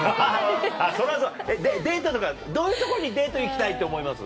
それはそうデートとかどういうとこにデート行きたいって思います？